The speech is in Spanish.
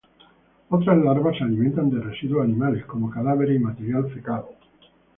Otras larvas se alimentan de residuos animales como cadáveres y materia fecal.